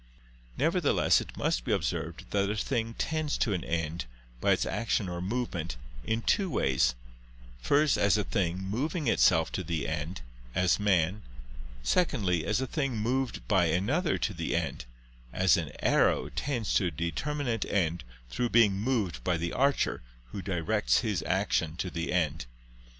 Nevertheless it must be observed that a thing tends to an end, by its action or movement, in two ways: first, as a thing, moving itself to the end, as man; secondly, as a thing moved by another to the end, as an arrow tends to a determinate end through being moved by the archer who directs his action to the end.